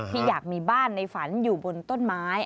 ที่อยากมีบ้านในฝันอยู่บนต้นไม้